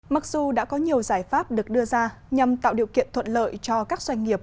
mặc dù đã có nhiều giải pháp được đưa ra nhằm tạo điều kiện thuận lợi cho các doanh nghiệp